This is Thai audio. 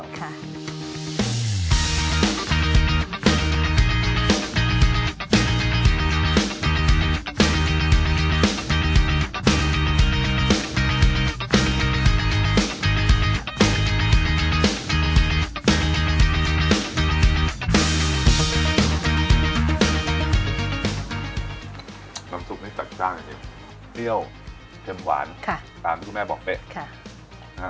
น้ำซุปนี้จักจ้างจริงเที่ยวเค็มหวานตามที่ทุกแม่บอกไป